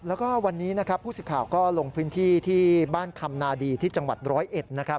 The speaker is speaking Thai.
แล้วก็วันนี้นะครับผู้สิทธิ์ข่าวก็ลงพื้นที่ที่บ้านคำนาดีที่จังหวัดร้อยเอ็ดนะครับ